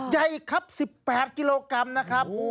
ใหญ่ครับ๑๘กิโลกรัมนะครับ